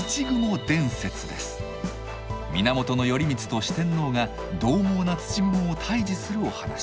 源頼光と四天王がどう猛な土蜘蛛を退治するお話。